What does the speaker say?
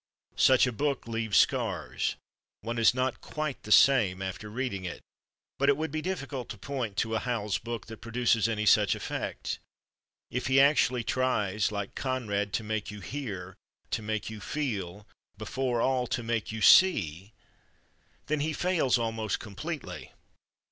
Such a book leaves scars; one is not quite the same after reading it. But it would be difficult to point to a Howells book that produces any such effect. If he actually tries, like Conrad, "to make you hear, to make you feel—before all, to make you see," then he fails almost completely.